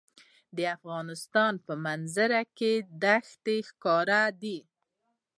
د افغانستان په منظره کې دښتې ښکاره ده.